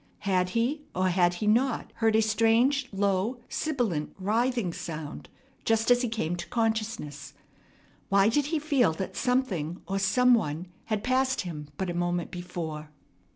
Had he or had he not, heard a strange, low, sibilant, writhing sound just as he came to consciousness? Why did he feel that something, some one, had passed him but a moment before?